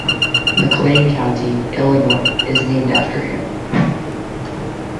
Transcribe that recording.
McLean County, Illinois is named after him.